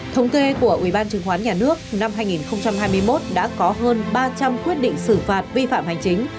thống kê của ubnd năm hai nghìn hai mươi một đã có hơn ba trăm linh quyết định xử phạt vi phạm hành chính